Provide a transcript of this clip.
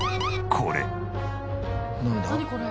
これ。